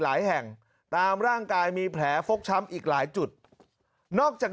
แห่งตามร่างกายมีแผลฟกช้ำอีกหลายจุดนอกจาก